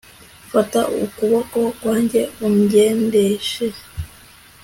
fata ukubko kwanjye ungendeshe